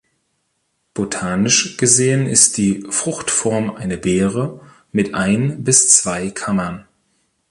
Botanisch gesehen ist die Fruchtform eine Beere mit ein bis zwei Kammern.